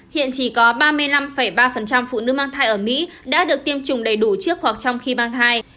hiện chỉ có ba mươi năm ba phụ nữ mang thai ở mỹ đã được tiêm chủng đầy đủ trước hoặc trong khi mang thai